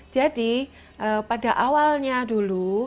jadi pada awalnya dulu